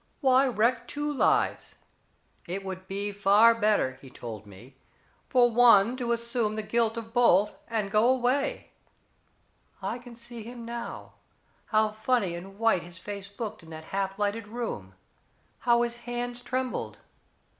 Why wreck two lives? It would be far better, he told me, for one to assume the guilt of both and go away. I can see him now how funny and white his face looked in that half lighted room how his hands trembled.